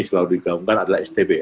selalu digaungkan adalah stb